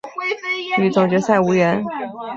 与总决赛无缘。